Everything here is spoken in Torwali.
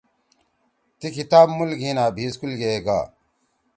تی کتاب مُول گھیِن آں بھی سکول کے گا۔